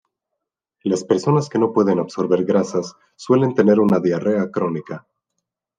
Las personas que no pueden absorber grasas suelen tener una diarrea crónica.